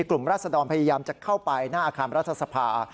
เข้าไปหน้าอาคารรัฐสภา